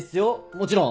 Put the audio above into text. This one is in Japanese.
もちろん。